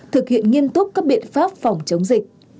thực hiện nghiêm túc các biện pháp phòng chống dịch